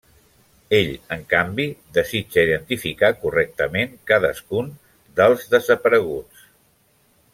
Ell, en canvi, desitja identificar correctament cadascun dels desapareguts.